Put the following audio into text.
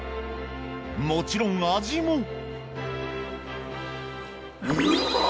もちろん味も。